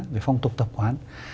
về phong tục tập quán